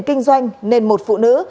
kinh doanh nên một phụ nữ